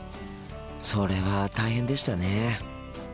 それは大変でしたね。